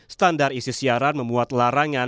standar isi siaran membuat larangan